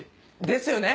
ですよね！